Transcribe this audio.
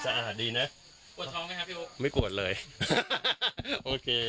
ดีนะปวดท้องไหมครับพี่โอ๊คไม่ปวดเลยโอเค